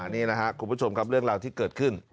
นี่นะครับคุณผู้ชมครับเรื่องราวที่เกิดขึ้น